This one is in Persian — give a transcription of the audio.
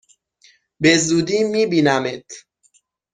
به زودی می بینمت!